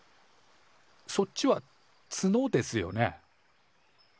そっちはツノですよね？